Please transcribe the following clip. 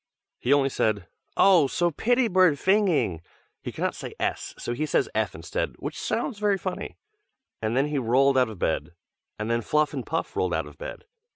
He only said, "Oh! so pitty bird finging!" (he cannot say S, so he says F instead, which sounds very funny). And then he rolled out of bed; and then Fluff and Puff rolled out of bed.